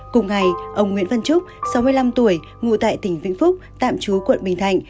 cùng ngày ông nguyễn văn trúc sáu mươi năm tuổi ngụ tại tỉnh vĩnh phúc tạm chú quận bình thạnh